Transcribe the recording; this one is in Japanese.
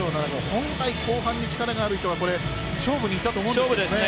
本来、後半に力がある人が勝負にいったと思いますね。